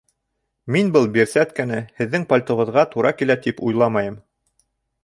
Мин был бирсәткәне һеҙҙең пальтоғыҙға тура килә тип уйламайым